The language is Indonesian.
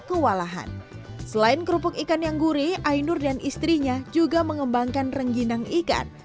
kewalahan selain kerupuk ikan yang gurih ainur dan istrinya juga mengembangkan rengginang ikan